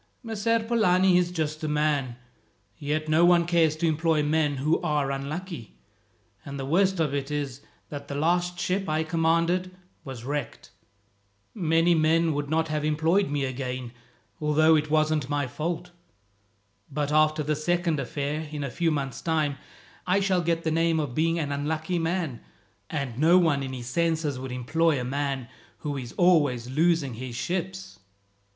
"Messer Polani is a just man, yet no one cares to employ men who are unlucky; and the worst of it is that the last ship I commanded was wrecked. Many men would not have employed me again, although it wasn't my fault. But after this second affair, in a few months' time, I shall get the name of being an unlucky man, and no one in his senses would employ a man who is always losing his ships."